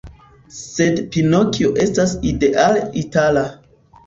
Sed Pinokjo estas ideale itala.